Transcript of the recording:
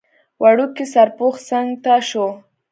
وړوکی سرپوښ څنګ ته شو.